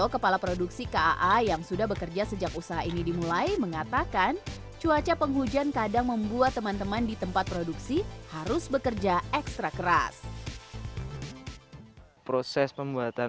kita berani bersaing masalah kualitasnya